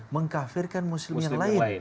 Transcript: mengkafirkan muslim yang lain